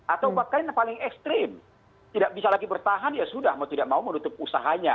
atau bahkan paling ekstrim tidak bisa lagi bertahan ya sudah mau tidak mau menutup usahanya